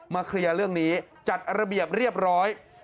เคลียร์เรื่องนี้จัดระเบียบเรียบร้อย